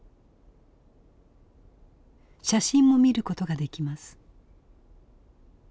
写真も見ることができます。